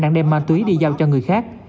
đang đem ma túy đi giao cho người khác